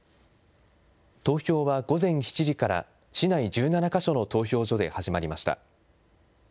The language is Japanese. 投票は午前７時から市内１７か所の投票所で始まりました。